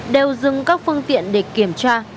đều dừng các phương tiện để kiểm tra